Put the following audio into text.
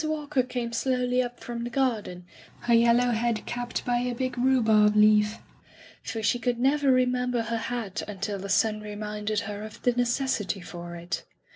Walker came slowly up from the garden, her yellow head capped by a big rhubarb leaf, for she could never remember her hat until the sun re minded her of the necessity for it.